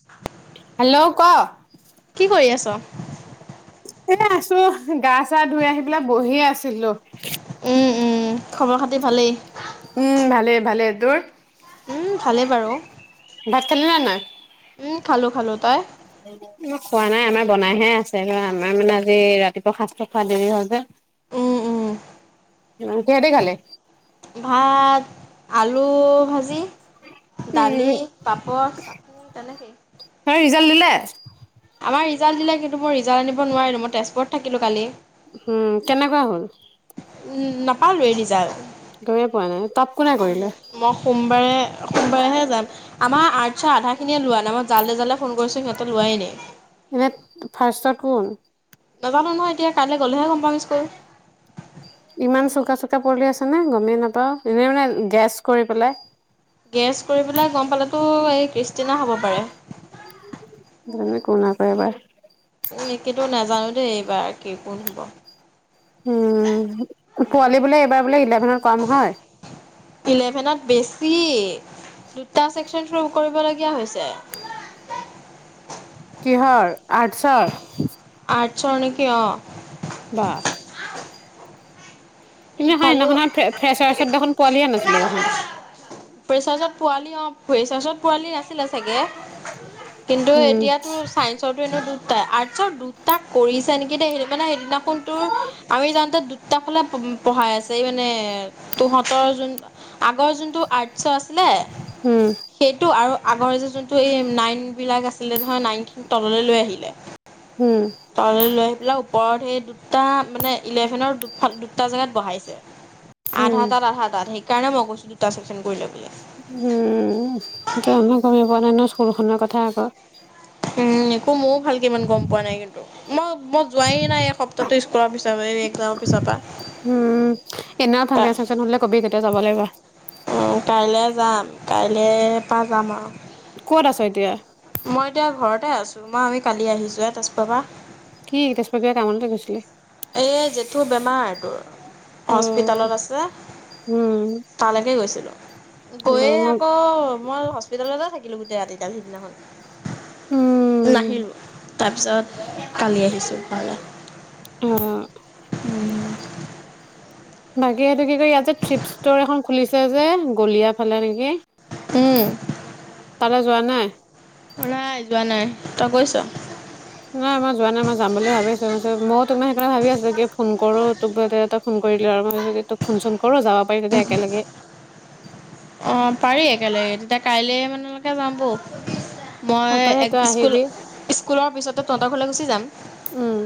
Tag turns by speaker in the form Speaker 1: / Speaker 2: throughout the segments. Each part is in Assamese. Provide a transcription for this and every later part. Speaker 1: [inaudible]
Speaker 2: হেল্ল-' ক-
Speaker 1: কি কৰি আ
Speaker 2: এনে আছো গা- চা ধুই আহি পেলাই বহি আছিলোঁ।
Speaker 1: উম, উম, খবৰ- খাতি ভালেই।
Speaker 2: উম', ভালেই -ভালই তোৰ?
Speaker 1: উম, ভালেই বাৰু।
Speaker 2: ভাত -খালি নে নাই?
Speaker 1: উম', খালোঁ- খালোঁ তই
Speaker 2: [inaudible] মই খোৱা নাই আমাৰ বনাইহে আছে আমাৰ মানে আজি ৰাতিপুৱা সাজটো খোৱা দেৰি হয় যে
Speaker 1: উম, উম,
Speaker 2: কি হেদি খালি?
Speaker 1: ভাত, আলু, ভাজি, দালি
Speaker 2: উম
Speaker 1: পাপৰ তেনেকেই।
Speaker 2: হয় ৰিজাল্ট দিলে?
Speaker 1: আমাৰ ৰিজাল্ট দিলে কিন্তু মোৰ ৰিজাল্ট আনিব নোৱাৰিলো মই তেজপুৰত থাকিলোঁ কালি।
Speaker 2: উম', কেনেকুৱা হ'ল?
Speaker 1: উম', নাপালোৱে ৰিজাল্ট।
Speaker 2: তুমি পোৱা নাই, তাত কোনে কৰিলে?
Speaker 1: মই সোমবাৰে, সোমবাৰেহে যাম, আমাৰ আৰ্টছৰ আধাখিনিয়ে লোৱা নাই, মই জালে, জালে ফোন কৰিছোঁ, সিহঁতে লোৱাই নাই।
Speaker 2: এনে, ফাৰ্ষ্টত কোন।
Speaker 1: নাজানোঁ নহয় এতিয়া, কাইলৈ গ'লেহে গম পাম স্কুল।
Speaker 2: ইমান চোকা, চোকা পোৱালী আছেনে গমেই নাপাওঁ, এনেই মানে গেছ কৰি পেলাই।
Speaker 1: গেছ কৰি পেলাই গম পালেতো, এই ক্ৰিষ্টিনা হ'ব পাৰে।
Speaker 2: [unintelligible]
Speaker 1: এনে কিন্তু, নাজানো দেই, এইবাৰ কি কোন হ'ব।
Speaker 2: উম, পোৱালি বোলে, এইবাৰ বোলে, ইলেভেনত কম হয়।
Speaker 1: ইলেভেনত বেছি দুটা চেকচন, থৰূহ কৰিবলগীয়া হৈছে।
Speaker 2: কিহৰ, আৰ্টছৰ?
Speaker 1: আৰ্টছৰ নেকি অ'।
Speaker 2: বা। কিন্তু
Speaker 1: ইফালো
Speaker 2: সিদিনাখনত, ফ্ৰেছাছত দেখোন, পোৱালিয়ে নাছিলো দেখুন।
Speaker 1: ফ্ৰেছাৰ্ছত পোৱালি অ', ফ্ৰেছাৰ্ছত পোৱালি নাহিলে চাগে, কিন্তু
Speaker 2: উম
Speaker 1: এতিয়াটো চাইন্স টো এনেও দুটা, আৰ্টচৰ দুটা কৰিছে নেকি দেই, সেই মানে সেইদিনাখন তোৰ আমি যাওঁতে দুটাফালে পঢ়াই আছে, এই মানে তহঁতৰ যোন, আগৰ যোনটো আৰ্টছৰ আছিলে
Speaker 2: উম।
Speaker 1: সেইটো, আৰু আগৰ যে যোনটো এই নাইন বিলাক আছিলে নহয়, নাইনখিনি তললৈ লৈ আহিলে।
Speaker 2: উম।
Speaker 1: তললৈ লৈ আহি পেলাই, ওপৰত সেই দুটা, মানে ইলেভেনৰ দুফাল দুটা জেগাত বহাইছে। আধা
Speaker 2: উম
Speaker 1: তাত, আধা তাত, সেইকাৰণে, মই কৈছোঁ দুটা চেকচন কৰিলে বুলি।
Speaker 2: উম, জানোঁ গমেই পোৱা নাই নহয়, স্কুলখনৰ কথা আগৰ।
Speaker 1: উম, একো মইয়ো ভালকে ইমান গম পোৱা নাই কিন্তু, মই, মই যোৱাই নাই এই সপ্তাহটো স্কুল। কৰা পিছত এই। এক্সামৰ পিছৰ পৰা।
Speaker 2: উম, এনেও ফাংচন-চাংচন হ'লে কবি, তেতিয়া যাব লাগিব।
Speaker 1: অ', কাইলে যাম, কাইলেৰ পৰা যাম আৰু।
Speaker 2: ক'ত আছ এতিয়া?
Speaker 1: মই এতিয়া ঘৰতে আছো। মই, আমি কালি আহিছো হে তেজপুৰৰ পৰা।
Speaker 2: কি তেজপুৰ কিবা কামলৈ গৈছিলি।
Speaker 1: এই জেঠু বেমাৰটোৰ,
Speaker 2: অ
Speaker 1: হস্পিটেলত আছে।
Speaker 2: উম
Speaker 1: তালৈকে গৈছিলো। গৈয়ে আকৌ, মই হস্পিতেলতে থাকিলো, গোটেই ৰাতি দাল সিদিনাখন।
Speaker 2: উম
Speaker 1: নাহিলোঁ, তাৰপিছত কালি আহিছো ঘৰলে।
Speaker 2: অ'।
Speaker 1: উম।
Speaker 2: বাকী এইটো কি কয়, ইয়াত যে থ্ৰিপ ষ্ট'ৰ এখন খুলিছে যে, গলীয়া ফালে নেকি।
Speaker 1: উম।
Speaker 2: তালে যোৱা নাই?
Speaker 1: নাই যোৱা নাই, তই গৈছ?
Speaker 2: নাই মই যোৱা নাই, মই যাম বুলি ভাবি আছো, মই ভাবিছোঁ তোক সেইকাৰণে, ভাবি আছোঁ কি ফোন কৰো। তোকটো এতে এটা ফোন কৰিলো আৰু মই যদি তোক ফোন চোন কৰো যাব পাৰি তেতিয়া একেলেগে।
Speaker 1: অ, পাৰি একেলগে তেতিয়া কাইলে মানলৈকে যাম বৌ। মই
Speaker 2: নপাৰে
Speaker 1: এক
Speaker 2: তই আহিবি
Speaker 1: স্কুল-স্কুলৰ পিছতে তহঁতৰ ঘৰলে গুচি যাম।
Speaker 2: উম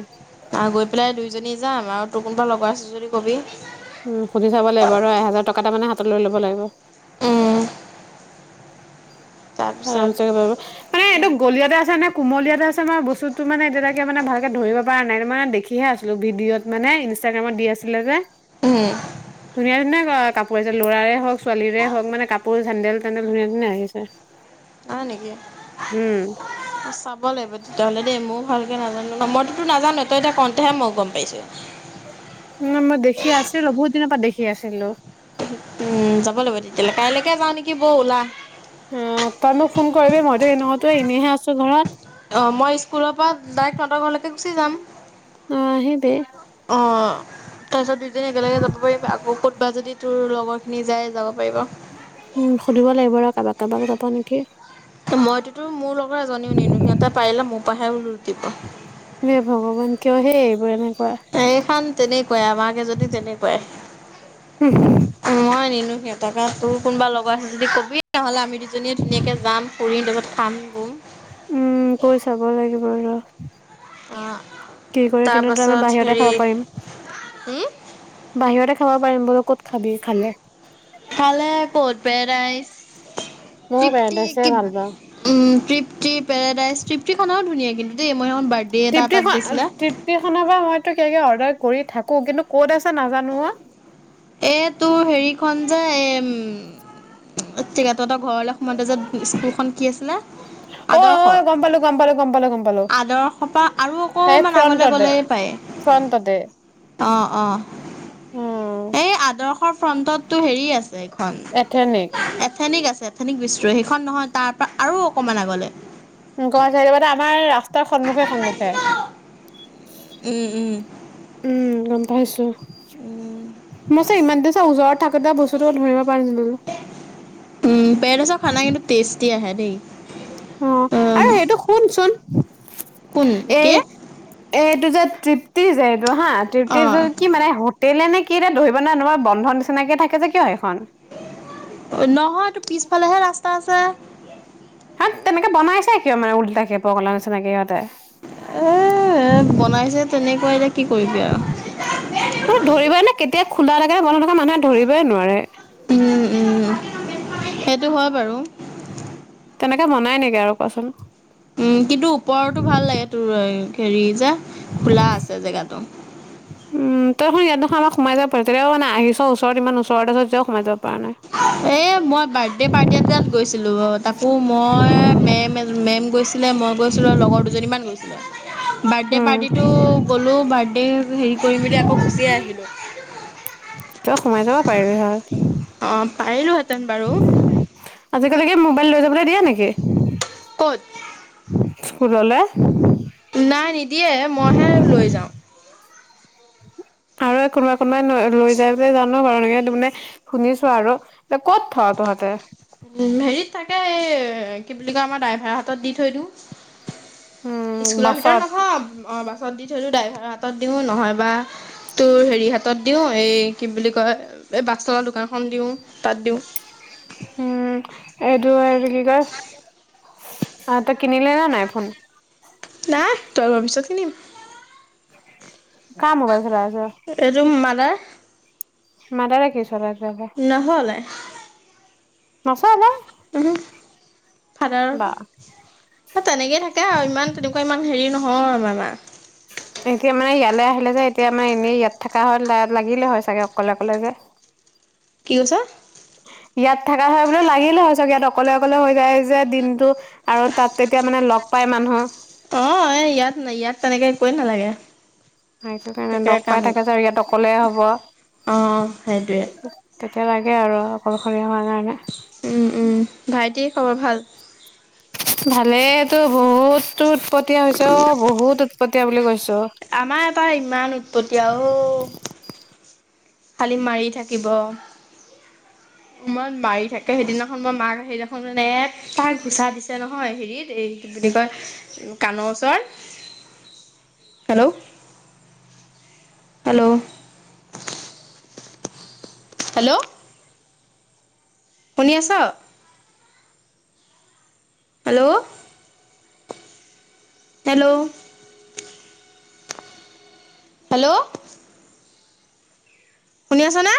Speaker 1: অ, গৈ পেলাই দুইজনী যাম আৰু তোৰ কোনোবা লগৰ আছে যদি কবি?
Speaker 2: উম, সুধি চাব লাগিব আৰু এহাজাৰ টকা মানে হাতত লৈ ল'ব লাগিব।
Speaker 1: তাৰপিছত
Speaker 2: [unintelligible] মানে এইটো গলিয়তে আছে নে কুমলীয়াতে আছে মই বস্তুটো মানে এতিয়া তাকে মানে ভালকে ধৰিব পৰা নাই ত' মানে দেখিহে আছিলো ভিডিঅত। মানে ইনষ্টাগ্ৰামত দি আছিলে যে।
Speaker 1: উম,
Speaker 2: ধুনীয়া, ধুনীয়া অ, কাপোৰ আছে ল'ৰাৰে হওক, ছোৱালীৰে হওক মানে কাপোৰ চেনডেল তেন্দেল ধুনীয়া ধুনীয়া আহিছে।
Speaker 1: অ, নেকি অ,
Speaker 2: উম
Speaker 1: চব কব লাগিব তেতিয়াহলে দেই মও ভালকে নাজানো ন' মইটোতো নাজানোৱে তই এতিয়া কওঁতেহে মই গম পাইছো।
Speaker 2: [unintelligible] মই দেখি আছিলোঁ বহুত দিনৰ পৰা দেখি আছিলোঁ।
Speaker 1: উম, যাব লাগিব তেতিয়াহ'লে কাইলৈকে যাওঁ নেকি বৌ ওলা?
Speaker 2: অ, তই মোক ফোন কৰিবি মইতো এনেওহতো এনেহে আছোঁ ঘৰত।
Speaker 1: অ, মই স্কুলৰ পা ডাইৰেক্ট তহঁতৰ ঘৰলৈকে গুচি যাম।
Speaker 2: অ, আহিবি।
Speaker 1: অ', তাৰছত দুইদিন একেলগে যাব পাৰিম আকৌ ক'তবা যদি তোৰ লগৰ খিনি যাই যাব পাৰিব।
Speaker 2: উম ল, সুধিব লাগিব ৰ' কাবাক- কাবাক যাব নেকি?
Speaker 1: ত' মইতোতো মোৰ লগৰ এজনীও নিনো সিহঁতে পাৰিলে মোৰ পৰাহেও লুটিব।
Speaker 2: [unintelligible] ভগৱান কিয় হে এইবোৰ এনে
Speaker 1: এইখন তেনেকুৱাই আমাৰ কেইজনী তেনেকুৱাই। মই নিনো সিহতকে তোৰ কোনোবা লগাই আছে যদি কবি? [unintelligible] দুজনীয়ে ধুনিয়াকে যাম ফুৰিম তাৰছত খাম। বম
Speaker 2: উম, কৈ চাব লাগিব ৰ'।
Speaker 1: অ
Speaker 2: কে কৰি কিনওটো আমি
Speaker 1: তাৰপাছত
Speaker 2: বাহিৰতে
Speaker 1: হেৰি
Speaker 2: খাব পাৰিম।
Speaker 1: উম,
Speaker 2: বাহিৰতে খাব পাৰিম বোলো ক'ত খাবি খালে?
Speaker 1: খালে কতপে ৰাইছ
Speaker 2: ময়ো
Speaker 1: তৃপ্তি
Speaker 2: পেৰাডাইছে
Speaker 1: কি
Speaker 2: ভাল পাওঁ
Speaker 1: উম, তৃপ্তি পেৰাডাইজ তৃপ্তি খন আৰু ধুনীয়া কিন্তুে দেই মই এখন বাৰ্থ
Speaker 2: তৃপ্তিখন -তৃপ্তিখনৰ পৰা মইতো কিবাকিবি অৰ্ডাৰ কৰি থাকোঁ কিন্তু ক'ত আছে নাজানো অ'।
Speaker 1: এ তোৰ হেৰিখন যে এ উম [unintelligible] তহতৰ ঘৰলৈ [unintelligible] স্কুলখন কি আছিলে?
Speaker 2: অ অ ঐ
Speaker 1: আদৰ্শ
Speaker 2: গম পালো গম পালো গম পালো গম পালো
Speaker 1: - আদৰ্শ পা আৰু
Speaker 2: এই
Speaker 1: অকমান আগলৈ
Speaker 2: ফ্ৰণ্টতে
Speaker 1: গ'লেই পায়।
Speaker 2: ফ্ৰণ্টতে?
Speaker 1: অ', অ',
Speaker 2: অ',
Speaker 1: এই আদৰ্শৰ ফ্ৰণ্টতটো হেৰি আছে এইখন
Speaker 2: এঠেনিক।
Speaker 1: এথেনিক আছে এথেনিক বিশস্ৰ সেইখন নহয় তাৰ পা আৰু অকমান আগলে
Speaker 2: গমে [unintelligible] আমাৰ ৰাস্তাৰ সন্মুখে-সন্মুখে।
Speaker 1: উম,
Speaker 2: উম, গম পাইছো
Speaker 1: উম
Speaker 2: মই চে ইমানতে যে ওচৰত থাকোতে বচ টোতো ধৰিব পাইছিলোঁ যে।
Speaker 1: উম পেৰেদাইছৰ খানা কিন্তু টেষ্টি আহে দেই।
Speaker 2: অঁ
Speaker 1: অ
Speaker 2: আৰু সেইটো শুনচোন
Speaker 1: কোন
Speaker 2: এই
Speaker 1: কি
Speaker 2: এইটো যে তৃপ্তি যে এইটো হা তৃপ্তি যত
Speaker 1: অ'
Speaker 2: কি মানে হোটেলে নে কি এতিয়া ধৰিব নোৱাৰা তোমাৰ বন্ধন নিচিনাকে থাকে যে কিয় এইখন?
Speaker 1: নহয় এইটো পিছফালেহে ৰাস্তা আছে।
Speaker 2: হাত তেনেকে বনাইছে কিয় মানে উলটাকে পগলা নিচিনাকে সিহঁতে।
Speaker 1: এ' এ' বনাইছে তেনেকুৱা এতিয়া কি কৰিবি আৰু।
Speaker 2: ধৰিবই নে কেতিয়া খোলা থাকে বন্ধ থাকে মানুহে ধৰিবই নোৱাৰে।
Speaker 1: উম উম সেইটো হয় বাৰু।
Speaker 2: তেনেকে বনাই নেকি আৰু কোৱাচোন।
Speaker 1: উম কিন্তু ওপৰৰতো ভাল লাগে তোৰ হেৰি যে খোলা আছে জেগাটো। [inaudible]
Speaker 2: উম তই দেখোন ইয়াত দেখোন আমাক সোমাই যাব পাৰ, তেতিয়া মানে আহিছ ওচৰত ইমান ওচৰত আছে যেতিও সোমাই যাব পৰা নাই।
Speaker 1: এ' মই বাৰ্থডে পাৰ্টি এটাত গৈছিলো অ। তাকো মই মেম এ মেম গৈছিলে মই গৈছিলোঁ আৰু লগৰ দুজনীমান গৈছিলে। বাৰ্থডে'
Speaker 2: উম
Speaker 1: পাৰ্টিটো গ'লোঁ বাৰ্থডে হেৰি কৰি মেলি আকৌ গুচিয়ে আহিলোঁ।
Speaker 2: তই সোমাই যাব পাৰিলি হয়।
Speaker 1: অ' পাৰিলো হেঁতেন বাৰু।
Speaker 2: আজিকালি কি মোবাইল লৈ যাবলে দিয়া নেকি?
Speaker 1: ক'ত?
Speaker 2: স্কুললে।
Speaker 1: নাই নিদিয়ে মইহে লৈ যাওঁ।
Speaker 2: আৰু কোনোবাই কোনোবাই লৈ যায় বুলি যা [unintelligible] মানে শুনিছো আৰু, কত থ তহঁতে?
Speaker 1: উ' হেৰিত থাকে এই কি বুলি কয় আমাৰ ড্ৰাইভাৰ হাতত দি থৈ দিওঁ।
Speaker 2: উম
Speaker 1: স্কুলৰ ভিতৰত
Speaker 2: বাছত
Speaker 1: নথও, অঁ বাছত দি থৈ দিওঁ, ড্ৰাইভাৰৰ হাতত দিওঁ নহয় বা তোৰ হেৰি হাতত দিও এই কি বুলি কয় এই বাছ তলৰ দোকানখন দিও তাত দিওঁ।
Speaker 2: উম এইটো আৰু এইটো কি কয় আহ তই কিনিলি নে নাই ফোন?
Speaker 1: নাই তই মই পিছত কিনিম।
Speaker 2: কাৰ মোবাইল চলাই আছ?
Speaker 1: এইটো মাদাৰ।
Speaker 2: মাদাৰে কি চলাই তেনেহলে?
Speaker 1: নহ'লে।
Speaker 2: সচা নে?
Speaker 1: ওহোঁ ফাদাৰৰ টো। তেনেকেই থাকে আৰু ইমান তেনেকুৱা ইমান হেৰি নহয় আমাৰ মা।
Speaker 2: এতিয়া মানে ইয়ালে আহিলে যে এতিয়া আমাৰ এনেই ইয়াত থকা হল তাই লাগিলে হয় চাগে অকলে অকলে যে।
Speaker 1: কি কৈছা?
Speaker 2: ইয়াত থাকা হলে বোলে লাগিলে হয় চাগে ইয়াত অকলে অকলে হৈ যায় যে দিনটো। আৰু তাত তেতিয়া মানে লগ পাই মানুহ।
Speaker 1: অ', এ ইয়াত ন ইয়াত তেনেকে একোৱে নালাগে।
Speaker 2: সেইটো
Speaker 1: কৰি
Speaker 2: কাৰণে
Speaker 1: থাকে
Speaker 2: লগ
Speaker 1: কাম
Speaker 2: পাই থাকে চাগে, ইয়াত অকলে হব।
Speaker 1: অ' সেইটোৱে
Speaker 2: তেতিয়া লাগে আৰু অকলশৰীয়া মানুহ যে।
Speaker 1: উম উম, ভাইটিৰ খবৰ ভাল?
Speaker 2: ভালেই তো বহুত উৎপতীয়া হৈছে অঁ' বহুত উৎপতীয়া বুলি কৈছো।
Speaker 1: আমাৰ এটা ইমান উৎপতীয়া অ'। খালি মাৰি থাকিব। ইমান মাৰি থাকে সেইদিনাখন মই মাক সেইদিনাখন মানে তাক ঘোচা নহয় হেৰিত এই বুলি কয় কাণৰ ওচৰত। Hello hello. হেল্ল'। শুনি আছ? হেল্ল'। হেল্ল'। হেল্ল'। শুনি আছ নে?